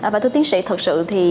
và thưa tiến sĩ thật sự thì